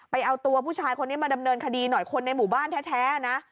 ไปเอาตัวผู้ชายคนนี้มาดำเนินคดีหน่อยคนในหมู่บ้านแท้นะ